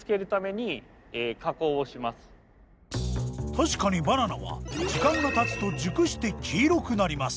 確かにバナナは時間がたつと熟して黄色くなります。